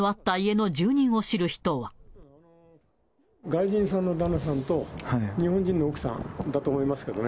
外人さんの旦那さんと、日本人の奥さんだと思いますけれどね。